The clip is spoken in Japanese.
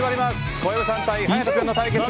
小籔さん対勇人君の対決。